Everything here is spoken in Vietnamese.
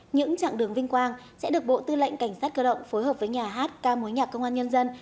những trạng đường vinh quang sẽ được bộ tư lệnh cảnh sát cơ động phối hợp với nhà hát ca mối nhạc công an nhân dân